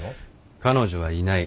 彼女はいない。